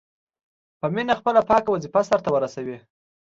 په مینه خپله پاکه وظیفه سرته ورسوي.